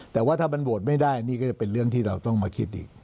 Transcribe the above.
แต่ว่าถ้ามันโหวตไม่ได้นี่ก็จะเป็นเรื่องที่เราต้องมาคิดอีก